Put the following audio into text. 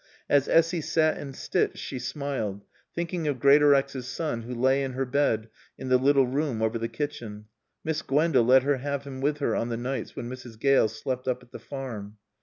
As Essy sat and stitched, she smiled, thinking of Greatorex's son who lay in her bed in the little room over the kitchen. Miss Gwenda let her have him with her on the nights when Mrs. Gale slept up at the Farm.